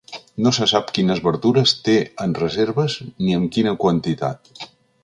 No se sap quines verdures té en reserves ni amb quina quantitat.